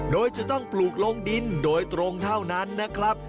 โดยจะต้องปลูกลงดินโดยตรงเท่านั้นนะครับ